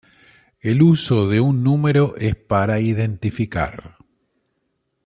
El uso de un número es para identificar.